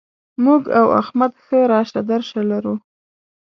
موږ او احمد ښه راشه درشه لرو.